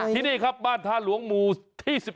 ที่นี่ครับบ้านท่าหลวงหมู่ที่๑๑